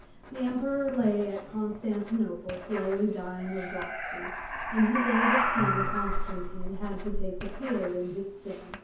The Emperor lay at Constantinople slowly dying of dropsy, and his eldest son Constantine had to take the field in his stead.